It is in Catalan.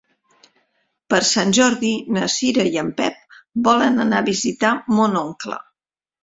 Per Sant Jordi na Cira i en Pep volen anar a visitar mon oncle.